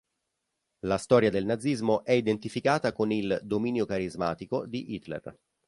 La storia del nazismo è identificata con il "dominio carismatico" di Hitler.